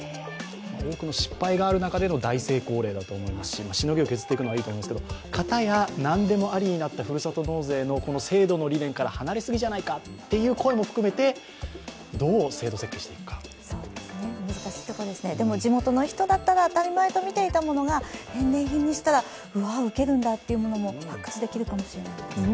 多くの失敗がある中での大成功例だと思いますし、しのぎを削っていくのはいいと思いますけれども、片や何でもありになった、ふるさと納税の制度の理念から離れすぎじゃないかという声も含めて難しいところですね、地元の人だったら当たり前だったものが返礼品にしたら、うわ、ウケるんだというものも発掘できるかもしれない。